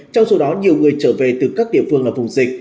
trong số đó nhiều người trở về từ các địa phương là vùng dịch